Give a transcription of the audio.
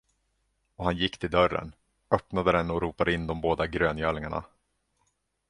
Och han gick till dörren, öppnade den och ropade in de båda gröngölingarna.